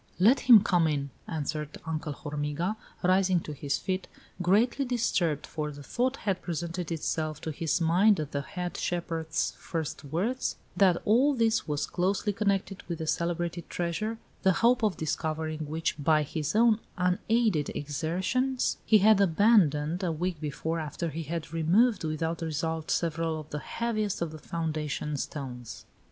"Let him come in," answered Uncle Hormiga, rising to his feet, greatly disturbed, for the thought had presented itself to his mind at the head shepherd's first words, that all this was closely connected with the celebrated treasure, the hope of discovering which, by his own unaided exertions, he had abandoned, a week before, after he had removed, without result, several of the heaviest of the foundation stones.